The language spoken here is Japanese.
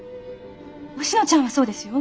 おしのちゃんはそうですよ。